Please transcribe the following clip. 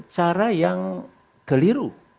cara yang keliru